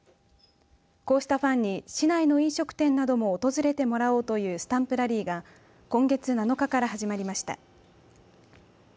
こうしたファンに市内の飲食店なども訪れてもらおうというスタンプラリーが今月７日から始まりました。